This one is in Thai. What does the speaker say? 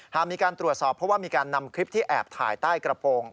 หากมีการตรวจสอบเพราะว่ามีการนำคลิปที่แอบถ่ายใต้กระโปรง